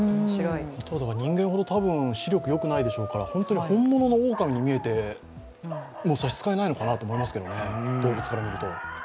あとはもう、人間ほど、視力よくないでしょうから、本当に本物の狼に見えても差し支えないのかなと思いますけどね、動物から見ると。